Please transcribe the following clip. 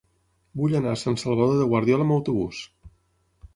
Vull anar a Sant Salvador de Guardiola amb autobús.